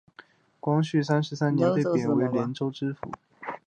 光绪三十三年被贬为廉州府知府。